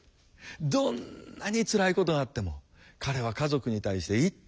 どんなにつらいことがあっても彼は家族に対していつも笑っている。